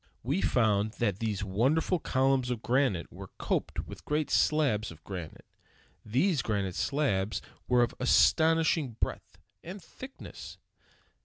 We found that these wonderful columns of granite were coped with great slabs of granite. These granite slabs were of astonishing breadth and thickness.